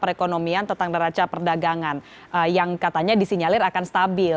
ekonomian tentang meraca perdagangan yang katanya disinyalir akan stabil